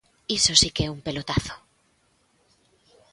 Iso si que é un pelotazo.